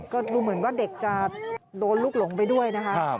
ก็ดูเหมือนว่าเด็กจะโดนลูกหลงไปด้วยนะคะ